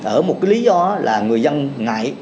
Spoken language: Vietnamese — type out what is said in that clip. ở một cái lý do là người dân ngại